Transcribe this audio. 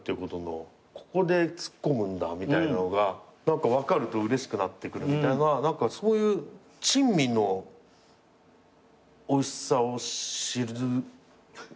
ここで突っ込むんだみたいなのが何か分かるとうれしくなってくるみたいなのはそういう珍味のおいしさを知る楽しみに。